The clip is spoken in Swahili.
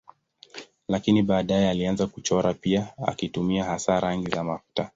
Lakini baadaye alianza kuchora pia akitumia hasa rangi za mafuta.